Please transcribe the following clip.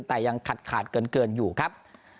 แต่ยังขาดเกินอยู่ครับ